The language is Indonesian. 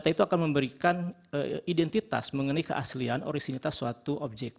data itu akan memberikan identitas mengenai keaslian orisinitas suatu objek